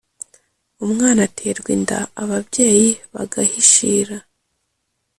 umwana aterwa inda ababyeyi bagahishira